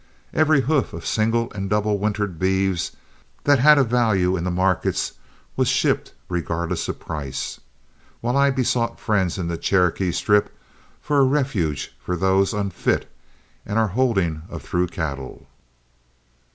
Every hoof of single and double wintered beeves that had a value in the markets was shipped regardless of price, while I besought friends in the Cherokee Strip for a refuge for those unfit and our holding of through cattle.